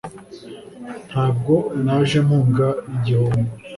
ntabwo naje mpunga igihombo,